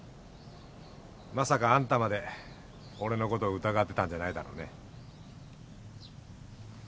まさかあんたまで俺のこと疑ってたんじゃないだろうね？